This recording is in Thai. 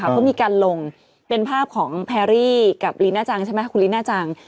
เขามีการลงเป็นภาพของแพรรี่กับลีน่าจังใช่ไหมคุณลีน่าจัง